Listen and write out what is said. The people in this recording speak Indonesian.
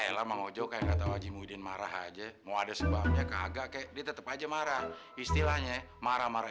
elah mau jok aja mau ada sebabnya kagak kek dia tetep aja marah istilahnya marah marah